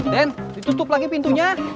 den ditutup lagi pintunya